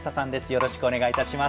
よろしくお願いします。